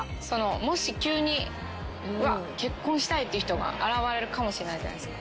もし急にうわっ結婚したいっていう人が現れるかもしれないじゃないですか。